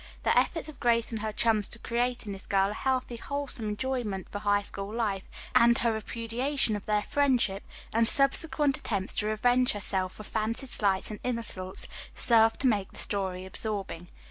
The efforts of Grace and her chums to create in this girl a healthy, wholesome enjoyment for High School life, and her repudiation of their friendship, and subsequent attempts to revenge herself for fancied slights and insults, served to make the story absorbing.